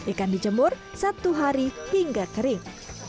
ikan dijemur satu hari hingga kering